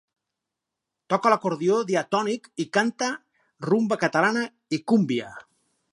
Toca l'acordió diatònic i canta rumba catalana i cúmbia.